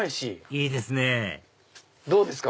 いいですねどうですか？